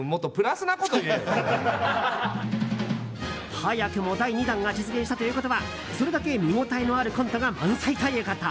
早くも第２弾が実現したということはそれだけ見応えのあるコントが満載ということ。